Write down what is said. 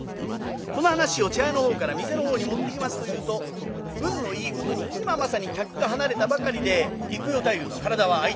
この話を茶屋のほうから店のほうに持っていきますというと運のいいことに今まさに客が離れたばかりで幾代太夫の体は空いている。